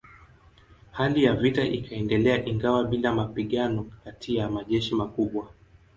Hali ya vita ikaendelea ingawa bila mapigano kati ya majeshi makubwa.